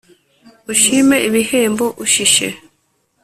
Ushime ibihembo ushishe